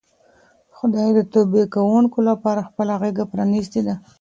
خدای د توبې کوونکو لپاره خپله غېږه پرانیستې ده.